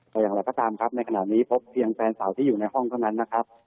แต่อย่างไรก็ตามครับในขณะนี้พบเพียงแฟนสาวที่อยู่ในห้องเท่านั้นนะครับ